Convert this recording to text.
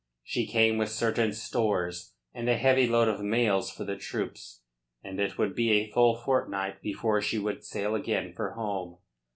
She came with certain stores and a heavy load of mails for the troops, and it would be a full fortnight before she would sail again for home.